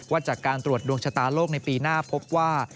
จากการตรวจดวงชะตาโลกในปีหน้าพบว่า